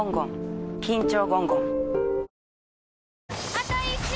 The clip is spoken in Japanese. あと１周！